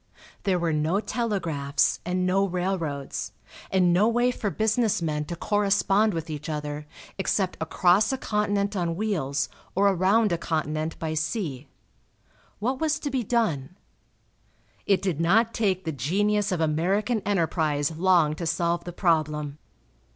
There were no telegraphs and no railroads, and no way for business men to correspond with each other except across a continent on wheels or around a continent by sea. What was to be done? It did not take the genius of American enterprise long to solve the problem.